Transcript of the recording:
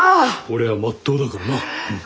俺はまっとうだからなうん。